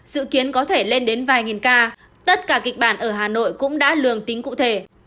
dự kiến có thể lên đến vài nghìn ca tất cả kịch bản ở hà nội cũng đã lường tính cụ thể